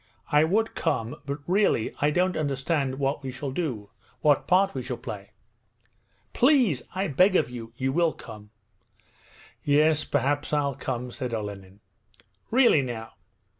'I would come, but really I don't understand what we shall do; what part we shall play!' 'Please, I beg of you. You will come?' 'Yes, perhaps I'll come,' said Olenin. 'Really now!